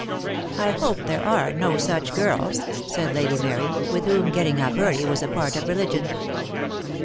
"I hope there are no such girls," said Lady Mary, with whom getting up early was a part of religion.